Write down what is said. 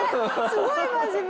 すごい真面目。